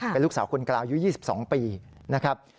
เป็นลูกสาวคนกลางอายุ๒๒ปีนะครับ